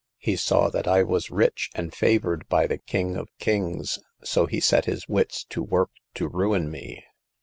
He saw that I was rich, and favored by the King of Kings, so he set his wits to work to ruin me.